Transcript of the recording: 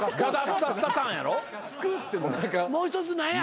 もう一つ何や？